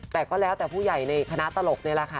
แต่ก็แล้วแต่ผู้ใหญ่ในคณะตลกนี่แหละค่ะ